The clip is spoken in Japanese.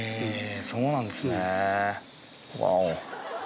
そうなんですね。